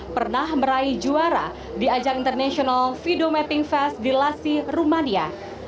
pernah meraih juara di ajang international video mapping fest di lasi rumania